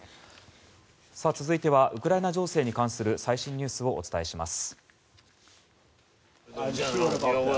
続いてはウクライナ情勢に関する最新のニュースをお伝えします。